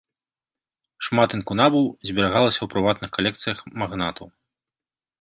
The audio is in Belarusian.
Шмат інкунабул зберагалася ў прыватных калекцыях магнатаў.